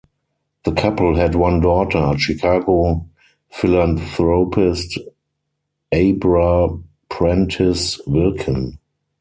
The couple had one daughter, Chicago philanthropist, Abra Prentice Wilkin.